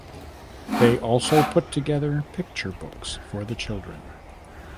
They also put together picture books for the children.